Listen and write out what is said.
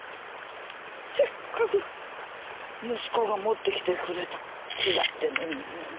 せっかく息子が持ってきてくれた木だってのにねぇ。